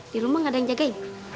di rumah nggak ada yang jagain